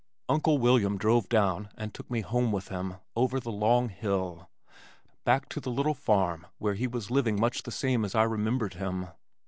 Uncle William drove down and took me home with him, over the long hill, back to the little farm where he was living much the same as I remembered him.